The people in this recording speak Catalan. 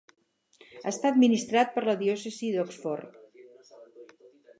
Està administrat per la diòcesi d"Oxford.